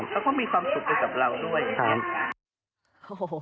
เขาก็มีความสุขกับเราด้วย